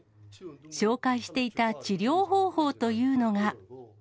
紹介していた治療方法というのが。